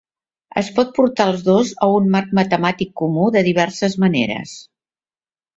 Es pot portar els dos a un marc matemàtic comú de diverses maneres.